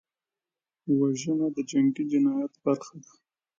وژنه د جنګي جنایت برخه ده